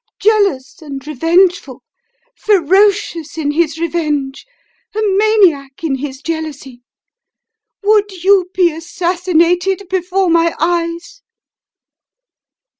Jealous and revengeful ; ferocious in his revenge a maniac in his jealousy ! Would you be assassinated before my eyes